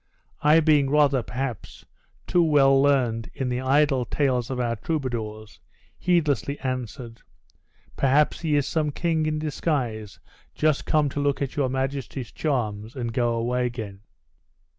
I being rather, perhaps, too well learned in the idle tales of our troubadours, heedlessly answered: 'Perhaps he is some king in disguise, just come to look at your majesty's charms, and go away again!'